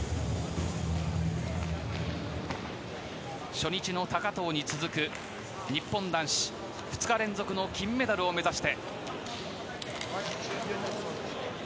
初日の高藤に続く日本男子２日連続の金メダルを目指して。